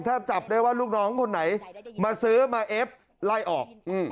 ถ้าจับได้ว่าลูกน้องคนไหนมาซื้อมาเอฟไล่ออก